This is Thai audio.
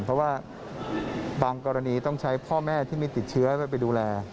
เพราะว่าบางกรณีต้องใช้พ่อแม่ที่ไม่ติดเชื้อไปดูแล